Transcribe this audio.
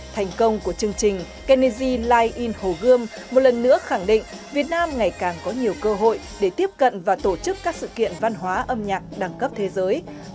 thành công của chương trình kennedy ligh in hồ gươm một lần nữa khẳng định việt nam ngày càng có nhiều cơ hội để tiếp cận và tổ chức các sự kiện văn hóa âm nhạc đẳng cấp thế giới